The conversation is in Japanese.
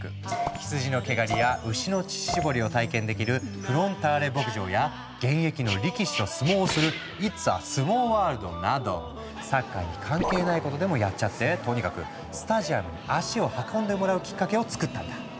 羊の毛刈りや牛の乳搾りを体験できる「フロンターレ牧場」や現役の力士と相撲をするサッカーに関係ないことでもやっちゃってとにかくスタジアムに足を運んでもらうきっかけをつくったんだ。